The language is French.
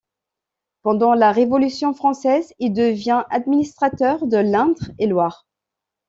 Pendant la Révolution française, il devient administrateur de l'Indre-et-Loire.